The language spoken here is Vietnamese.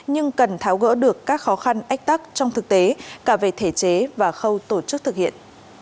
nhưng cần tháo gỡ được các khó khăn ách tắc trong thực tế cả về thể chế và khâu tổ chức thực hiện